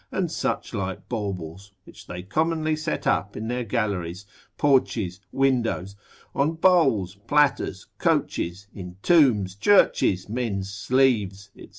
and such like baubles, which they commonly set up in their galleries, porches, windows, on bowls, platters, coaches, in tombs, churches, men's sleeves, &c.